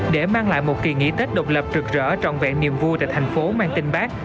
để mang lại một kỳ nghỉ tết độc lập rực rỡ trọn vẹn niềm vui tại thành phố mang tên bác